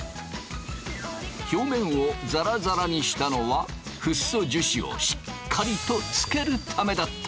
表面をザラザラにしたのはフッ素樹脂をしっかりとつけるためだった！